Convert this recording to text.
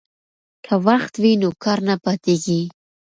که وخت وي نو کار نه پاتیږي.